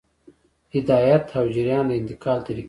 هدایت او جریان د انتقال طریقې دي.